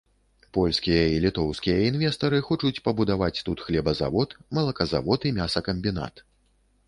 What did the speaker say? Польскія і літоўскія інвестары хочуць пабудаваць тут хлебазавод, малаказавод і мясакамбінат.